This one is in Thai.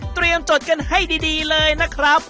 เตรียมจดกันให้ดีเลยนะครับ